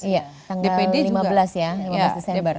iya tanggapannya lima belas ya lima belas desember